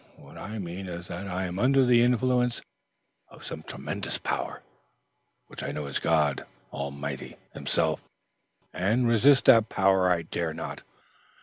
What I mean is that I am under the influence of some tremendous power, which I know is God Almighty, Himself, and resist that power I dare not.